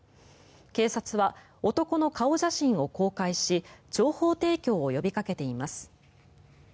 警察は男の顔写真を公開し情報提供を呼びかけています。